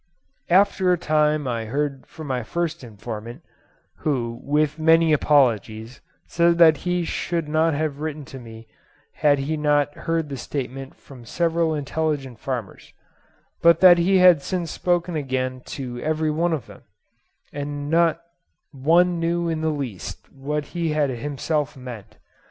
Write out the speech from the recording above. After a time I heard from my first informant, who, with many apologies, said that he should not have written to me had he not heard the statement from several intelligent farmers; but that he had since spoken again to every one of them, and not one knew in the least what he had himself meant.